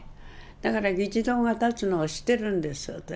だから議事堂が建つのを知ってるんです私。